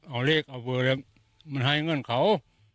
เอาเลขเอาเวลามันให้เงินเขา